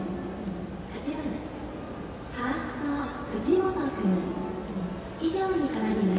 ８番ファースト、藤本君以上に変わります。